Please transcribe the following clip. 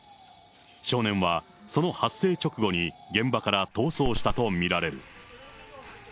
少年は、その発生直後に現場から逃走したと見られる。